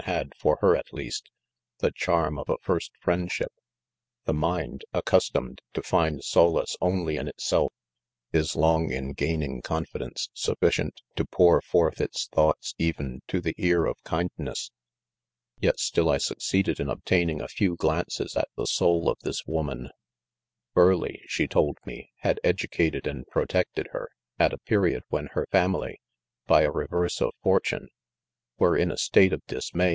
had, for her at least, the charm of a first friend ship. The mind, accustomed to find solace only in itself, is long in gaining confidence sufficient to pour forth its thoughts even to the ear of kindness ; yet still I succeeded in oh , taining a few glances at the soul of this wo man, Burleigh, she told me, Lad educated and pro tected her, ut a period when, her family , by a reverse of fortune, were in a state of dismay r.